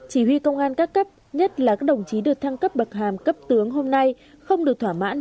chỉ huy công an các cấp nhất là các đồng chí được thăng cấp bậc hàm cấp tướng hôm nay không được thỏa mãn